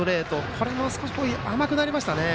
これも少し甘くなりましたね。